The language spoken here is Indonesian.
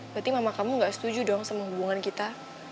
berarti mama kamu gak setuju dong sama hubungan kita